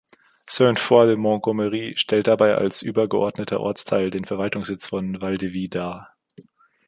Sainte-Foy-de-Montgommery stellt dabei als „übergeordneter Ortsteil“ den Verwaltungssitz von Val-de-Vie dar.